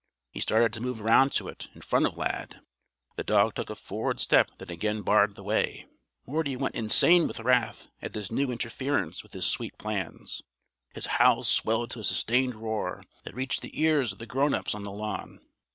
He started to move round to it, in front of Lad. The dog took a forward step that again barred the way. Morty went insane with wrath at this new interference with his sweet plans. His howls swelled to a sustained roar, that reached the ears of the grown ups on the lawn.